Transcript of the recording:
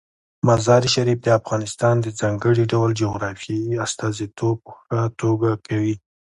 مزارشریف د افغانستان د ځانګړي ډول جغرافیې استازیتوب په ښه توګه کوي.